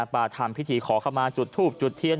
มาทำพิธีขอเข้ามาจุดทูบจุดเทียน